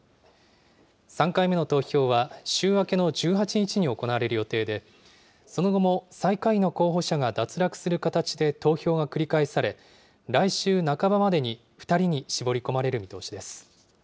３回目の投票は週明けの１８日に行われる予定で、その後も最下位の候補者が脱落する形で投票が繰り返され、来週半ばまでに２人に絞り込まれる見通しです。